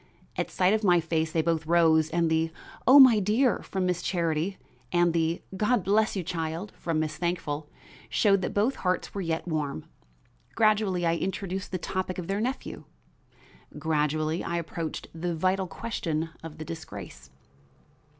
At sight of my face they both rose and the "O my dear" from Miss Charity and the "God bless you, child," from Miss Thankful showed that both hearts were yet warm. Gradually I introduced the topic of their nephew; gradually I approached the vital question of the disgrace.